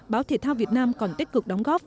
báo thể thao việt nam còn tích cực đóng góp